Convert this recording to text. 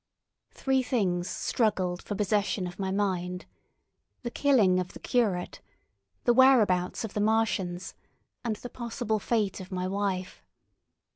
Three things struggled for possession of my mind: the killing of the curate, the whereabouts of the Martians, and the possible fate of my wife.